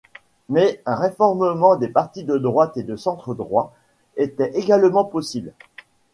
Mais un renforcement des partis de droite et de centre-droit était également possible.